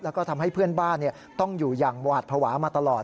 แล้วก็ทำให้เพื่อนบ้านต้องอยู่อย่างหวาดภาวะมาตลอด